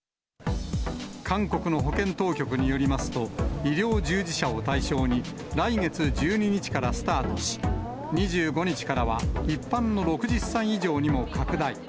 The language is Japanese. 韓国の保健当局によりますと、医療従事者を対象に、来月１２日からスタートし、２５日からは、一般の６０歳以上にも拡大。